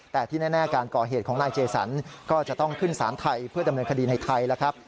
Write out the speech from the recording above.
แต่ที่แน่การก่อเหตุของนายเจสันก็จะต้องขึ้นสารไทยเพื่อดำเนินคดีในไทยแล้วครับ